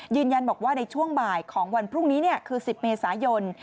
ยืนยันบอกว่าในช่วงบ่ายของวันพรุ่งนี้คือ๑๐เมษายน